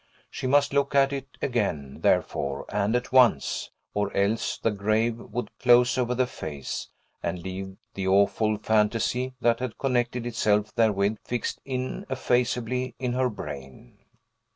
She must look at it again, therefore, and at once; or else the grave would close over the face, and leave the awful fantasy that had connected itself therewith fixed ineffaceably in her brain.